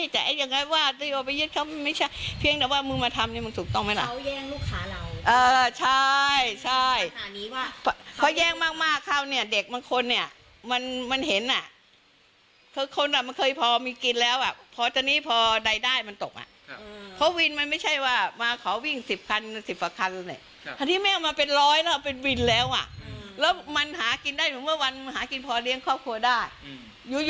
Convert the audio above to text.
ใช่เพราะแย้งมากมากข้าวเนี้ยเด็กบางคนเนี้ยมันมันเห็นอ่ะเพราะคนอ่ะมันเคยพอมีกินแล้วอ่ะพอตัวนี้พอใดได้มันตกอ่ะอืมเพราะวินมันไม่ใช่ว่ามาขอวิ่งสิบคันสิบหวะคันแล้วเนี้ยถ้าที่ไม่เอามาเป็นร้อยแล้วเป็นวินแล้วอ่ะอืมแล้วมันหากินได้เหมือนเมื่อวันมันหากินพอเลี้ยงครอบครัวได้อืม